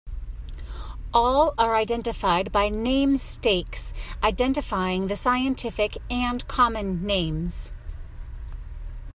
All are identified by name stakes identifying the scientific and common names.